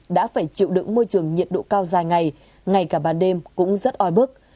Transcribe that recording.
đã phải chịu đựng môi trường nhiệt độ cao dài ngày ngay cả ban đêm cũng rất oi bức